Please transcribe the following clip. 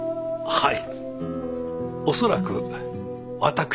はい。